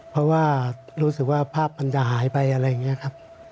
เพราะว่ารู้สึกว่าภาพมันจะหายไปอะไรอย่างนี้ครับ